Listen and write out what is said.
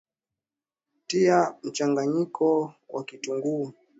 tia mchanganyiko wa kitunguu